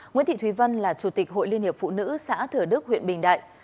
nguyễn thị thùy vân là chủ tịch hội liên hiệp phụ nữ xã thừa đức huyện bình đại